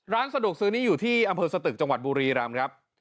ร้านสะดวกซื้อนี้อยู่ที่อำเภอสตึกจังหวัดบุรีรำครับ